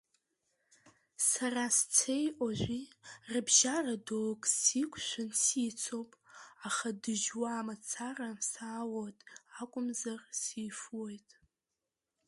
Сара сцеи ожәи рыбжьара доук сиқәшәан сицуп, аха дыжьуа мацара сааот акәымзар, сифуоит.